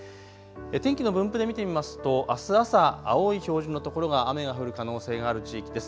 天気の分布で見てみますとあす朝、青い表示の所が雨が降る可能性がある地域です。